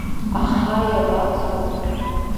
Аха иабацои?